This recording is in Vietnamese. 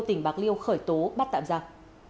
tỉnh bạc liêu khởi tố bắt tạm giặc